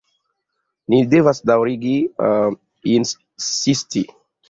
Ni devas daŭrigi insisti.